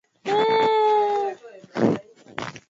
msikilizaji unataka kujua nini nacheka kidogo kwa sababu